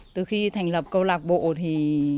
từ khi thành lập câu lạc bộ thì